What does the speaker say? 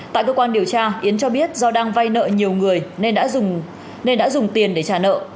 tại cơ quan điều tra yến cho biết do đang vay nợ nhiều người nên đã dùng tiền để trả nợ